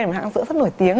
một hãng dưỡng rất nổi tiếng